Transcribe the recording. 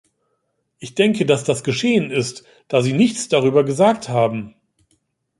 Ich denke, dass das geschehen ist, da Sie nichts darüber gesagt haben.